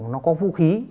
nó có vũ khí